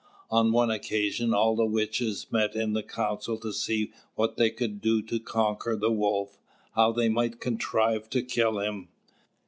On one occasion, all the witches met in council to see what they could do to conquer the Wolf; how they might contrive to kill him.